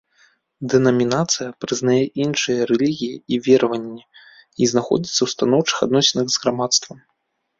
Дэнамінацыя прызнае іншыя рэлігіі і вераванні і знаходзіцца ў станоўчых адносінах з грамадствам.